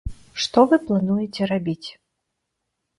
Што вы плануеце рабіць?